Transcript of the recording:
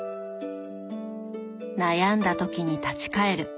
悩んだ時に立ち返る。